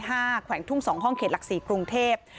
แต่แขวงทุ่ง๒ห้องเขดหลักศีลปรุงเทพฯ